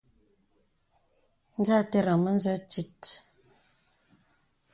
Zə à aterə̀ŋ mə̀zə tìt.